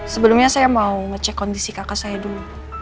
sebelumnya saya mau ngecek kondisi kakak saya dulu